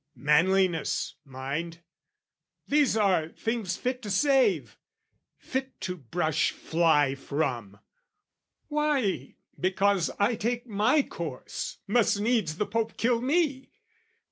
Manliness, mind, these are things fit to save, Fit to brush fly from: why, because I take My course, must needs the Pope kill me?